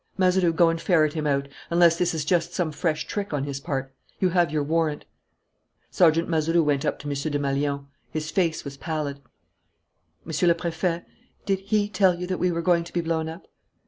Mazeroux, go and ferret him out unless this is just some fresh trick on his part. You have your warrant." Sergeant Mazeroux went up to M. Desmalions. His face was pallid. "Monsieur le Préfet, did he tell you that we were going to be blown up?"